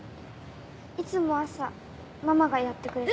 いつも朝ママがやってくれて。